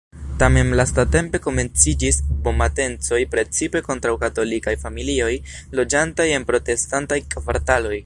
Tamen lastatempe komenciĝis bomb-atencoj precipe kontraŭ katolikaj familioj loĝantaj en protestantaj kvartaloj.